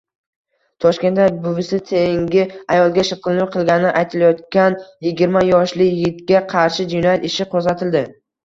Toshkentda buvisi tengi ayolga shilqimlik qilgani aytilayotganyigirmayoshli yigitga qarshi jinoyat ishi qo‘zg‘atildi